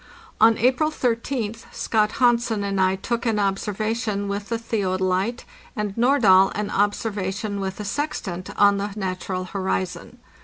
On April 13th Scott Hansen and I took an observation with the theodolite, and Nordahl an observation with the sextant, on the natural horizon.